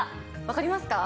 わかりますか？